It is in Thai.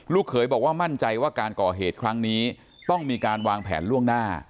เขยบอกว่ามั่นใจว่าการก่อเหตุครั้งนี้ต้องมีการวางแผนล่วงหน้า